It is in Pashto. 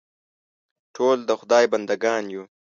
ټول د خدای بندهګان یو.